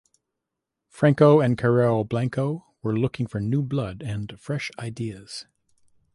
Franco and Carrero Blanco were looking for new blood and fresh ideas.